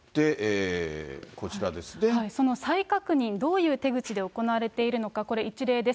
その再確認、どういう手口で行われているのか、これ、一例です。